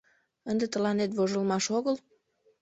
Ынде тыланет вожылмаш огыл?